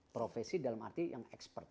profesi dalam arti yang expert